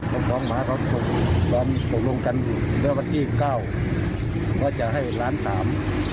ของของหมาเขาตกลงกันเมื่อวันที่๙ว่าจะให้๑ล้านสาม